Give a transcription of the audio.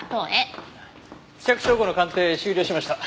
付着証拠の鑑定終了しました。